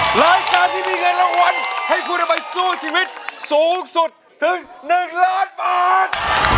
รายการที่มีเงินรางวัลให้คุณเอาไปสู้ชีวิตสูงสุดถึง๑ล้านบาท